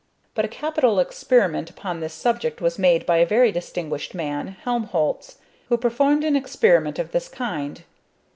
But a capital experiment upon this subject was made by a very distinguished man, Helmholz, who performed an experiment of this kind.